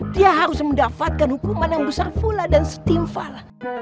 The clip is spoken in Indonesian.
dia harus mendapatkan hukuman yang besar pula dan setimfal